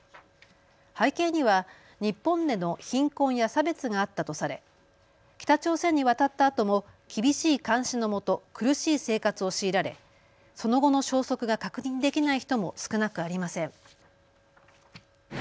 背景には日本での貧困や差別があったとされ北朝鮮に渡ったあとも厳しい監視のもと苦しい生活を強いられ、その後の消息が確認できない人も少なくありません。